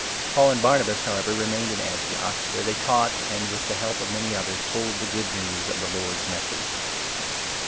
Paul and Barnabas, however, remained in Antioch, where 35 they taught and, with the help of many others, told the Good News of the Lord's Message.